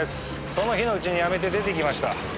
その日のうちに辞めて出て行きました。